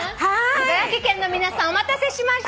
茨城県の皆さんお待たせしました。